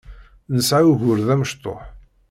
Nesɛa ugur d amecṭuḥ.